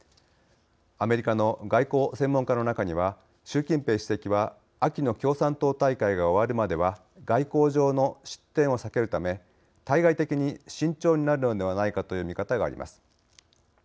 アメリカの外交専門家の中には習近平主席は秋の共産党大会が終わるまでは外交上の失点を避けるため対外的に慎重になるのではないかという見方があります。